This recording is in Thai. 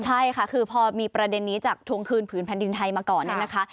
ใช่ค่ะคือพอมีประเด็นนี้จากทวงคืนผืนแผ่นดินไทยมาก่อนเนี่ยนะคะ